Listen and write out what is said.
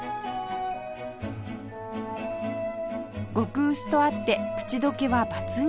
極薄とあって口溶けは抜群